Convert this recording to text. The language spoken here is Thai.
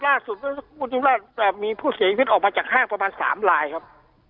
ล่าสุดมีผู้เสียชีวิตออกมาจากห้างประมาณ๓ลายครับ